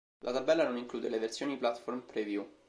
La tabella non include le versioni "Platform Preview".